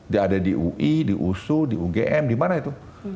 dia ada di ui di usu di ugm di mana itu